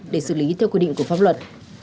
để xử lý theo quy định của pháp luật